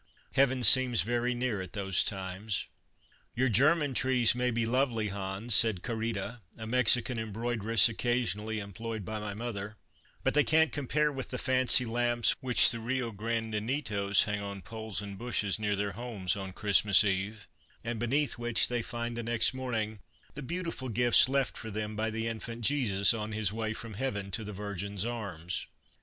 Heaven seems very near at those times." Mrs. Andrew Jackson /\l tt\e White House in Old Hickory's ixii) " Your German trees may be lovely, Hans," said Carita, a Mexican embroideress occasionally em ployed by my mother, " but they can't compare with the fancy lamps which the Rio Grande ninitos hang on poles and bushes near their homes on Christmas Eve, and beneath which they find the next morning the beautiful gifts left for them by the Infant Jesus on His way from heaven to the Virgin's arms."